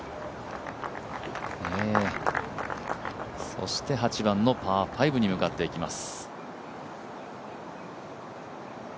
そして８番のパー５に向かっていきます。